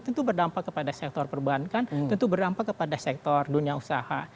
tentu berdampak kepada sektor perbankan tentu berdampak kepada sektor dunia usaha